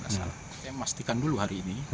saya memastikan dulu hari ini